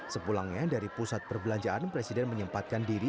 sepulangnya dari pusat perbelanjaan presiden menyempatkan diri